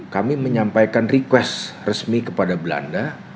kami menyampaikan request resmi kepada belanda